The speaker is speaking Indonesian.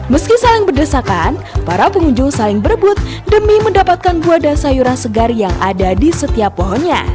meski saling berdesakan para pengunjung saling berebut demi mendapatkan buah dan sayuran segar yang ada di setiap pohonnya